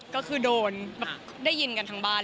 ก็คือโดนได้ยินกันทั้งบ้าน